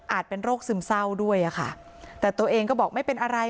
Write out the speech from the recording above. เป็นโรคซึมเศร้าด้วยอะค่ะแต่ตัวเองก็บอกไม่เป็นอะไร